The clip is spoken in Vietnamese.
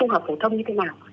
học phổ thông như thế nào